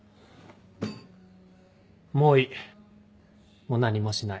もういいもう何もしない。